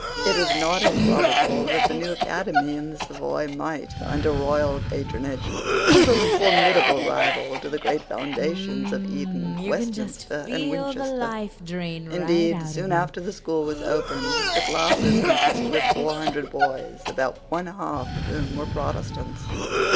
It was not improbable that the new academy in the Savoy might, under royal patronage, prove a formidable rival to the great foundations of Eton, Westminster, and Winchester. Indeed, soon after the school was opened, the classes consisted of four hundred boys, about one half of whom were Protestants.